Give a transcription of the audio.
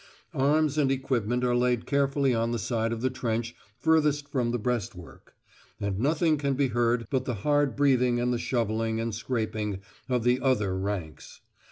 Arms and equipment are laid carefully on the side of the trench furthest from the breastwork; and nothing can be heard but the hard breathing and the shovelling and scraping of the "other ranks."